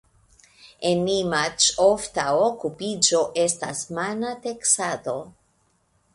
En Nimaĉ ofta okupiĝo estas mana teksado.